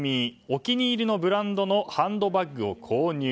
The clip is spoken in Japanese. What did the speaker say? お気に入りのブランドのハンドバッグを購入。